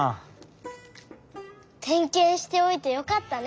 てんけんしておいてよかったね。